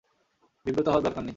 বিব্রত হওয়ার দরকার নেই।